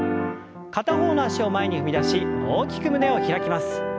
片方の脚を前に踏み出し大きく胸を開きます。